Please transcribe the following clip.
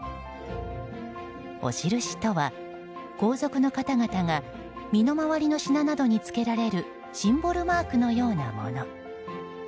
お印とは、皇族の方々が身の回りの品などにつけられるシンボルマークのようなもの。